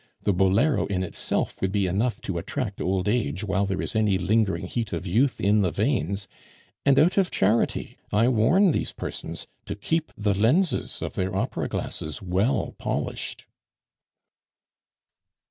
The bolero in itself would be enough to attract old age while there is any lingering heat of youth in the veins, and out of charity I warn these persons to keep the lenses of their opera glasses well polished.